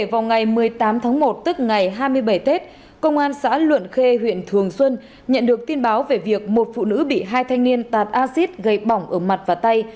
vào ngày một mươi tám tháng một tức ngày hai mươi bảy tết công an xã luận khê huyện thường xuân nhận được tin báo về việc một phụ nữ bị hai thanh niên tạt acid gây bỏng ở mặt và tay